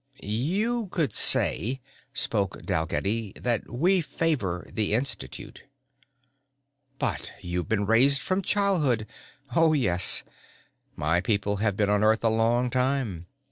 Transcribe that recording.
"You could say," spoke Dalgetty, "that we favor the Institute." "But you've been raised from childhood...." "Oh yes. My people have been on Earth a long time.